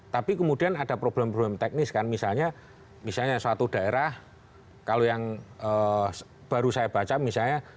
tapi kemudian ada problem problem teknis kan misalnya suatu daerah kalau yang baru saya baca misalnya